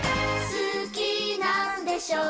「好きなんでしょう？」